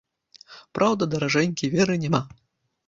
Праўда, даражэнькі, веры няма.